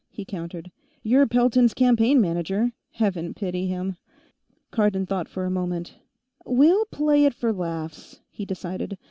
he countered. "You're Pelton's campaign manager Heaven pity him." Cardon thought for a moment. "We'll play it for laughs," he decided.